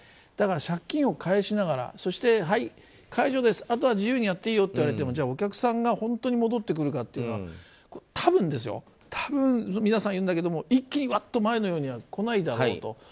だから借金を返しながらそして、はい、解除ですあとは自由にやっていいよと言われてもお客さんが本当に戻ってくるかというと多分皆さん言うんだけど一気に前のようには来ないだろうと。